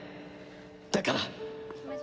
だから。